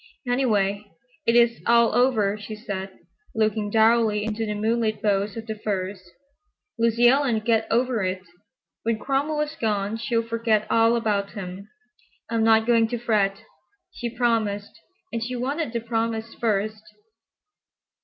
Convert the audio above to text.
"Anyway, it is all over," she said, looking dourly into the moonlit boughs of the firs; "Lucy Ellen'll get over it. When Cromwell is gone she'll forget all about him. I'm not going to fret. She promised, and she wanted the promise first."